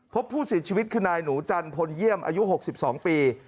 พบผู้เสียชีวิตคือนายหนูจันพลเยี่ยมอายุ๖๒ปี